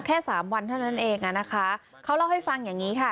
แค่สามวันเท่านั้นเองอ่ะนะคะเขาเล่าให้ฟังอย่างนี้ค่ะ